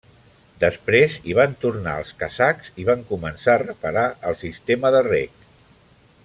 Després hi van tornar els kazakhs i van començar a reparar el sistema de rec.